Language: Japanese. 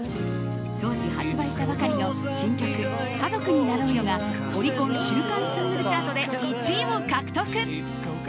当時、発売したばかりの新曲「家族になろうよ」がオリコン週間シングルチャートで１位を獲得。